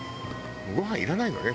「ご飯いらないのね